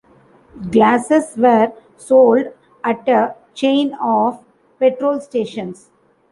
Glasses were sold at a chain of petrol stations.